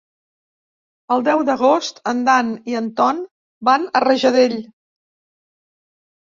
El deu d'agost en Dan i en Ton van a Rajadell.